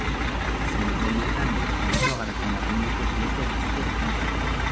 Zentro horietan, proiektuak garatzen lagunduko diete gazte ekintzaileei.